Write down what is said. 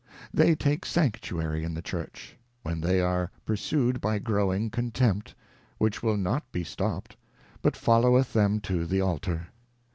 They take Sanctuary in the Church, when they are pursued by growing Contempt, which will not be stopt, but followeth them to the Altar.